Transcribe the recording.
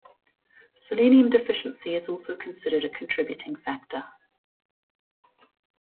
Selenium deficiency is also considered a contributing factor.